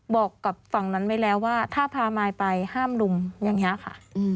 บอกกับฝั่งนั้นไว้แล้วว่าถ้าพามายไปห้ามลุมอย่างนี้ค่ะ